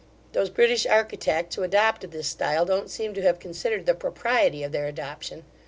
Those British architects who adopted this stile, don't seem to have considered the propriety of their adoption.